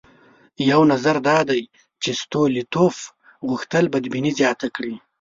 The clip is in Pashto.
یو نظر دا دی چې ستولیتوف غوښتل بدبیني زیاته کړي.